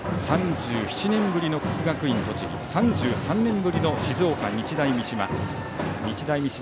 ３７年ぶりの国学院栃木３３年ぶりの静岡・日大三島。